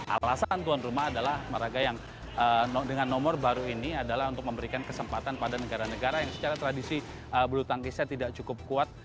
alasan tuan rumah adalah meraga yang dengan nomor baru ini adalah untuk memberikan kesempatan pada negara negara yang secara tradisi bulu tangkisnya tidak cukup kuat